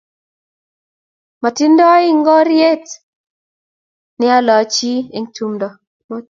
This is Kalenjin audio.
Matindai ingoriet ne alichi eng tumdo.